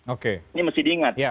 oke ini mesti diingat